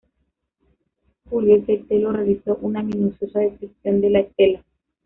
Julio C. Tello realizó una minuciosa descripción de la Estela.